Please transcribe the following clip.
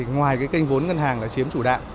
ngoài kênh vốn ngân hàng là chiếm chủ đạn